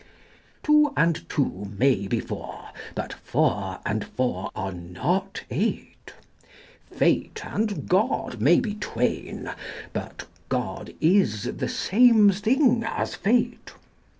Two and two may be four: but four and four are not eight: Fate and God may be twain: but God is the same thing as fate.